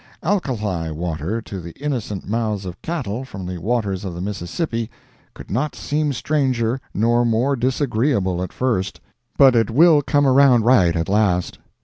Alkali water to the innocent mouths of cattle from the waters of the Mississippi could not seem stranger nor more disagreeable at first. But it will come around right at last.